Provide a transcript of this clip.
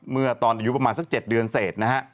เมื่อตอนอายุประมาณสัก๗เดือนเสร็จนะฮะ